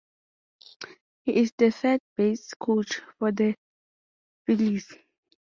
He is the third base coach for the Phillies.